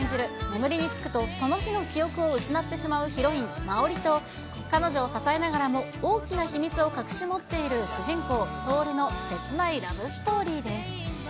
眠りにつくと、その日の記憶を失ってしまうヒロイン、まおりと、彼女を支えながらも大きな秘密を隠し持っている主人公、透のせつないラブストーリーです。